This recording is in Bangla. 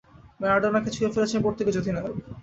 ম্যারাডোনাকে ছুঁয়ে ফেলেছেন পর্তুগিজ অধিনায়ক।